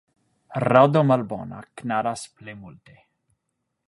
Rado malbona knaras plej multe.